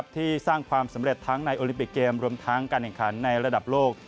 ที่สร้างความสำเร็จทั้งในโอลิปิกเกมรวมทั้งการแข่งขันในระดับโลก